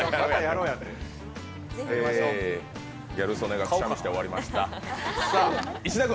えー、ギャル曽根がくしゃみして終わりました。